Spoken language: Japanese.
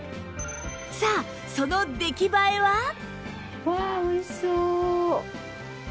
さあその出来栄えは？